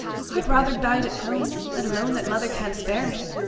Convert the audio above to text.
I'd rayther bide at home; let alone that mother can't spare me.'